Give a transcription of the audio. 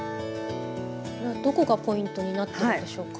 どこがポイントになってるんでしょうか？